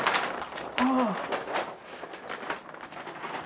ああ！